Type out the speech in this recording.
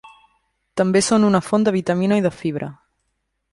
També són una font de vitamina i de fibra.